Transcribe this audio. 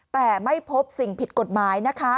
แต่ไม่พบสิ่งผิดกฎหมายนะคะ